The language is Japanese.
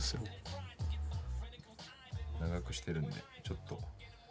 長くしてるんでちょっと。